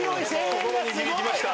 心に響きました。